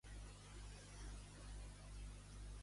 Què comenta Heròdot sobre Cresos?